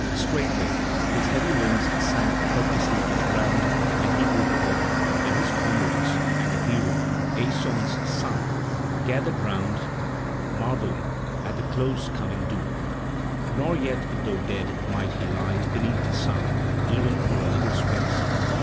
Straightway his heavy limbs sank helplessly to the ground and he grew cold; and his comrades and the hero, Aeson's son, gathered round, marvelling at the close coming doom. Nor yet though dead might he lie beneath the sun even for a little space.